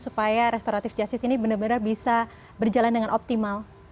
supaya restoratif justice ini benar benar bisa berjalan dengan optimal